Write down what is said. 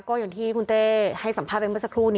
ก็เชิญว่าคืนเทท์ให้สัมภาพเป็นเหมือนสักครู่